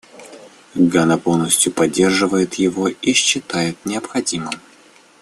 Гана полностью поддерживает его и считает необходимым.